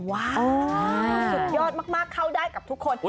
สุดยอดมากเข้าได้กับทุกคน